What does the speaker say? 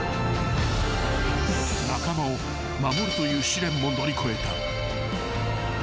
［仲間を守るという試練も乗り越えた］